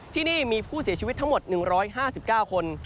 ที่นี่มีผู้เสียชีวิตทั้งหมด๑๕๙คน